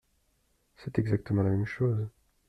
C’est exactement la même chose !